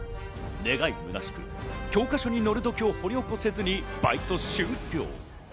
願いむなしく、教科書に載る土器を掘り起こせずにバイト終了。